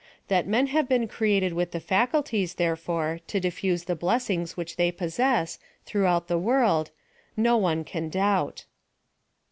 Thai men have been created with the faculties, therefore, to diffuse the blessings which tliey possess, through out the world, no one can doubt.